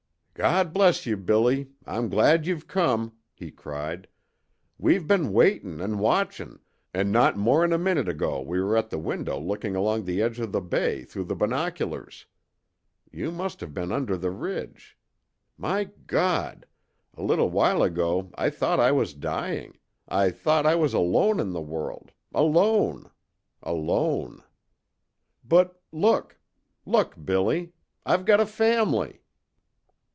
"God bless you, Billy! I'm glad you've come!" he cried. "We've been waiting 'n' watching, and not more'n a minute ago we were at the window looking along the edge of the Bay through the binoculars. You must have been under the ridge. My God! A little while ago I thought I was dying I thought I was alone in the world alone alone. But look look, Billy, I've got a fam'ly!"